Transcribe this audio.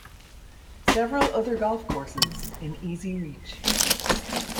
Several other golf courses in easy reach.